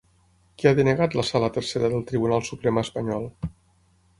Què ha denegat la sala tercera del Tribunal Suprem espanyol?